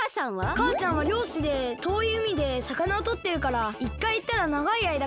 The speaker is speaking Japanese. かあちゃんはりょうしでとおいうみでさかなをとってるから１かいいったらながいあいだかえってこないんだ。